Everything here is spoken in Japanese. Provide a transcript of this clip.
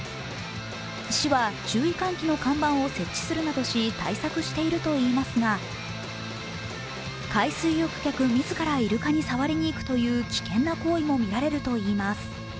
市は注意喚起の看板を設置するなどし、対策しているとしていますが海水浴客自らイルカにさわりにいくという危険な行為もみられるといいます。